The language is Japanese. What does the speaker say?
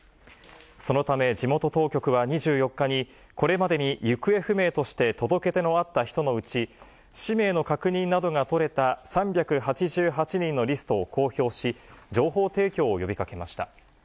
そのため、地元当局は２４日にこれまでに行方不明として届け出のあった人のうち、氏名の確認などが取れた３８８人のリストを公表し、情報提供を呼びかけました。